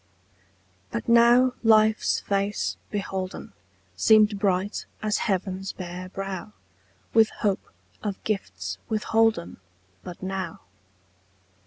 BUT now life's face beholden Seemed bright as heaven's bare brow With hope of gifts withholden But now.